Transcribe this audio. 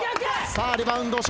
さあリバウンド笑